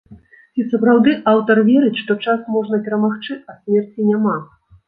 Ці сапраўды аўтар верыць, што час можна перамагчы, а смерці няма?